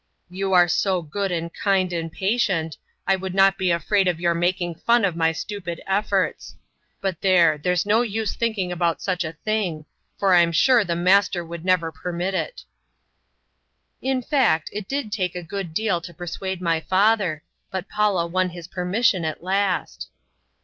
"You are so good and kind and patient, I would not be afraid of your making fun of my stupid efforts. But there, there's no use thinking about such a thing, for I'm sure the master would never permit it." In fact, it did take a good deal to persuade my father, but Paula won his permission at last.